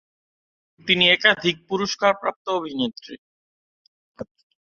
তিনি একাধিক পুরস্কারপ্রাপ্ত অভিনেত্রী।